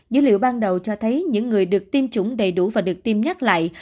dữ liệu ban đầu cho thấy những người được tiêm chủng đầy đủ và được tiêm nhắc lại